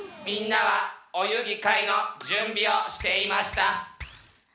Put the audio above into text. みんなはおゆうぎかいのじゅんびをしていました。